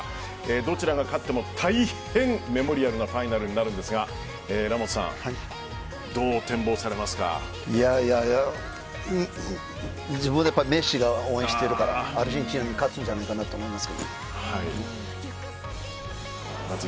どちらが勝っても大変メモリアルなファイナルになるんですがラモスさん自分はメッシを応援してるからアルゼンチンが勝つんじゃないかなと思います。